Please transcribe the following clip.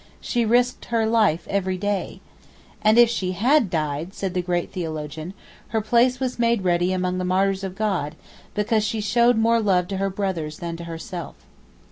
She risked her life every day.' 'And if she had died,' said the great theologian, 'her place was made ready among the martyrs of God, because she showed more love to her brothers than to herself!